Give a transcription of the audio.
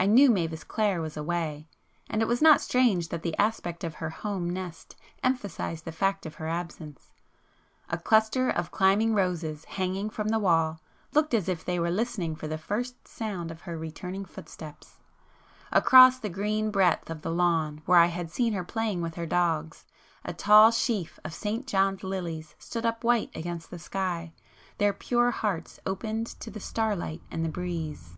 I knew Mavis Clare was away,—and it was not strange that the aspect of her home nest emphasized the fact of her absence. A cluster of climbing [p 258] roses hanging from the wall, looked as if they were listening for the first sound of her returning footsteps; across the green breadth of the lawn where I had seen her playing with her dogs, a tall sheaf of St John's lilies stood up white against the sky, their pure hearts opened to the star light and the breeze.